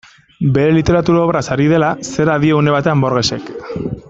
Bere literatur obraz ari dela, zera dio une batean Borgesek.